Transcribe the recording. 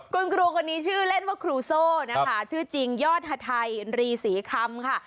คุณครูคนนี้ชื่อเล่นว่าครูโซ่นะคะชื่อจริงยอดฮาไทยรีศรีคำค่ะ